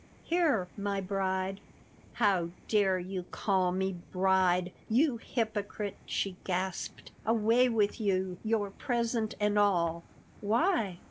"Here, my bride!" "How dare you call me 'bride,' you hypocrite?" she gasped. "Away with you, your present and all!" "Why?